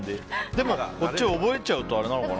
でもこっち覚えちゃうとあれなのかな。